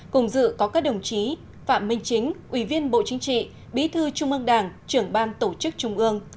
cùng dự có các đồng chí phạm minh chính ủy viên bộ chính trị bí thư trung ương đảng trưởng ban tổ chức trung ương